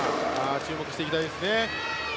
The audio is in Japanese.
注目していきたいですね。